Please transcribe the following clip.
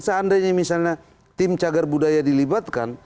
seandainya misalnya tim cagar budaya dilibatkan